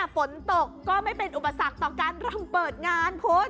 ฝนตกก็ไม่เป็นอุปสรรคต่อการรำเปิดงานคุณ